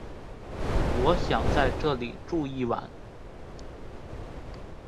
我想在这里住一晚